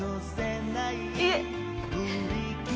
いえ。